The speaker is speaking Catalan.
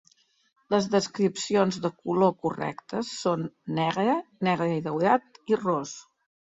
Les descripcions de color correctes són negre, negre i daurat, i ros.